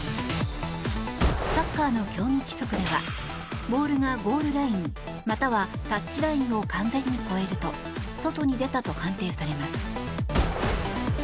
サッカーの競技規則ではボールがゴールライン、またはタッチラインを完全に越えると外に出たと判定されます。